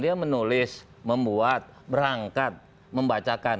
dia menulis membuat berangkat membacakan